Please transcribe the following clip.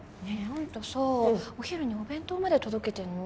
アンタさお昼にお弁当まで届けてんの？